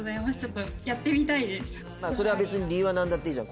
それは別に理由は何だっていいじゃん